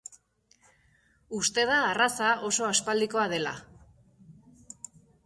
Uste da arraza oso aspaldikoa dela.